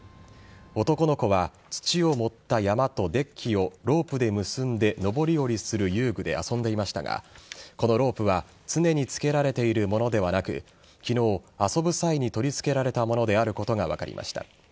男の子は土を盛った山とデッキをロープで結んで上り下りする遊具で遊んでいましたがこのロープは常に付けられているものではなく昨日、遊ぶ際に取り付けられたものであることが分かりました。